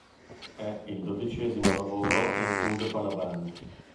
È il dodicesimo lavoro in studio per la band.